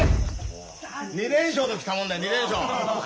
２連勝ときたもんだ２連勝。